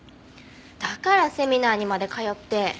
だからセミナーにまで通って。